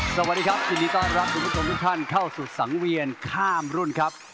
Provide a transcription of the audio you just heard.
สวัสดีครับยินดีต้อนรับคุณผู้ชมทุกท่านเข้าสู่สังเวียนข้ามรุ่นครับ